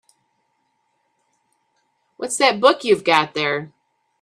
What's that book you've got there?